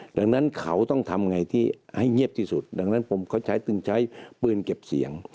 ดังนั้นเขาต้องทำไงที่ให้เงียบที่สุดดังนั้นเขาใช้จึงใช้ปืนเก็บเสียง